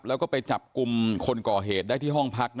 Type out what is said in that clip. แล้วก็ไปจับกลุ่มคนก่อเหตุได้ที่ห้องพัก